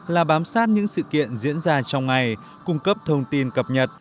là bám sát những sự kiện diễn ra trong ngày cung cấp thông tin cập nhật